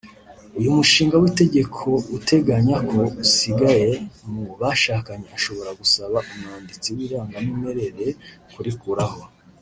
uyu munshinga w’itegeko uteganya ko usigaye mu bashakanye ashobora gusaba umwanditsi w’irangamimerere kurikuraho